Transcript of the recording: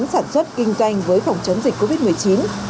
gắn sản xuất kinh doanh với phòng chấm dịch covid một mươi chín